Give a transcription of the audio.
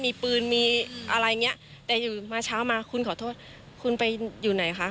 มีปืนมีอะไรอย่างเงี้ยแต่อยู่มาเช้ามาคุณขอโทษคุณไปอยู่ไหนคะ